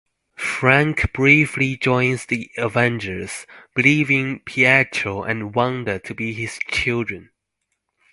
Frank briefly joins the Avengers, believing Pietro and Wanda to be his children.